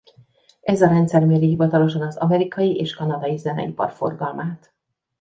Ez a rendszer méri hivatalosan az amerikai és kanadai zeneipar forgalmát.